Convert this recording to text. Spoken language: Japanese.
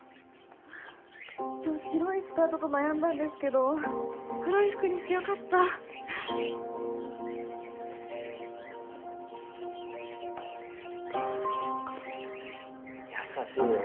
今日白いスカートと悩んだんですけど黒い服にしてよかった優しいよね